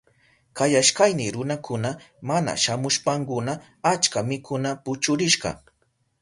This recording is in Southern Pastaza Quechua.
Kayashkayni runakuna mana shamushpankuna achka mikuna puchurishka.